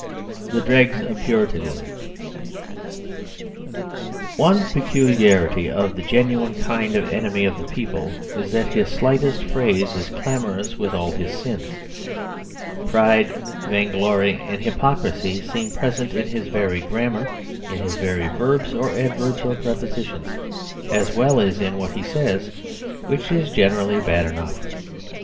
THE DREGS OF PURITANISM One peculiarity of the genuine kind of enemy of the people is that his slightest phrase is clamorous with all his sins. Pride, vain glory, and hypocrisy seem present in his very grammar; in his very verbs or adverbs or prepositions, as well as in what he says, which is generally bad enough.